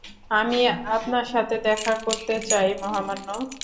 আমি আপনার সাথে দেখা করতে চাই, মহামান্য।